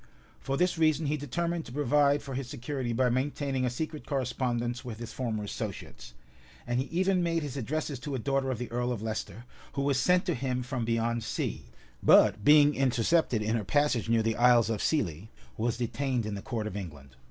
For this reason he determined to provide for his security by maintaining a secret correspondence with his former associates; and he even made his addresses to a daughter of the earl of Leicester, who was sent to him from beyond sea, but being intercepted in her passage near the Isles of Scilly, was detained in the court of England.